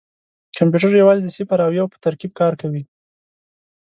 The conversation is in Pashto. کمپیوټر یوازې د صفر او یو په ترکیب کار کوي.